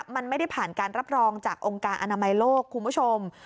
มันไม่ได้ผ่านการรับรองจากองค์การอนามัยโลกคุณผู้ชม